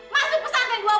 masuk pesan ke dua bulan